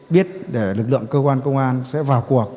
biết để lực lượng cơ quan công an sẽ vào cuộc